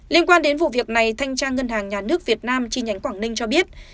liên quan đến vụ việc này thanh tra ngân hàng nhà nước việt nam chi nhánh quảng ninh cho biết